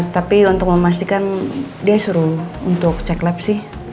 tapi untuk memastikan dia suruh untuk cek lab sih